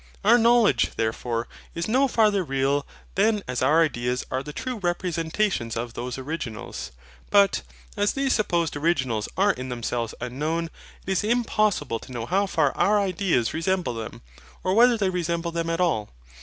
Our knowledge, therefore, is no farther real than as our ideas are the true REPRESENTATIONS OF THOSE ORIGINALS. But, as these supposed originals are in themselves unknown, it is impossible to know how far our ideas resemble them; or whether they resemble them at all.